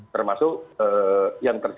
termasuk yang terjadi